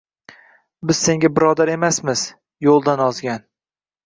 — Biz senga birodar emasmiz, yo‘ldan ozgan?!